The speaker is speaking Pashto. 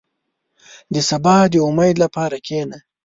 • د سبا د امید لپاره کښېنه.